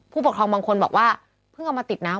ผู้ปกครองบางคนบอกว่าเพิ่งเอามาติดน้ำ